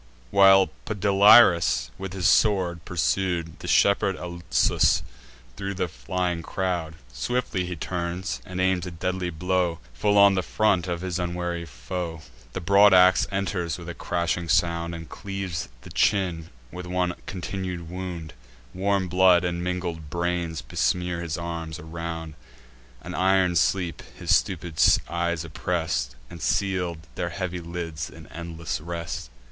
While Podalirius, with his sword, pursued The shepherd Alsus thro' the flying crowd, Swiftly he turns, and aims a deadly blow Full on the front of his unwary foe. The broad ax enters with a crashing sound, And cleaves the chin with one continued wound; Warm blood, and mingled brains, besmear his arms around An iron sleep his stupid eyes oppress'd, And seal'd their heavy lids in endless rest.